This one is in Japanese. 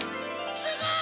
すごい！